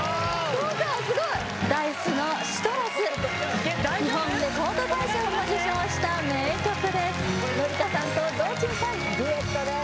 ・豪華すごいＤａ−ｉＣＥの「ＣＩＴＲＵＳ」日本レコード大賞も受賞した名曲です紀香さんと堂珍さんデュエットです・